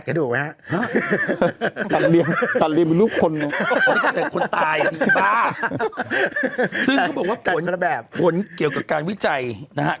ซึ่งเขาบอกว่าผลเกี่ยวกับการวิจัยนะฮะ